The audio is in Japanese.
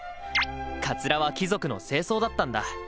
かつらは貴族の正装だったんだ。